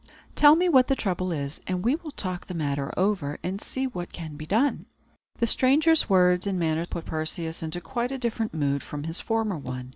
Tell me what the trouble is, and we will talk the matter over, and see what can be done." The stranger's words and manner put Perseus into quite a different mood from his former one.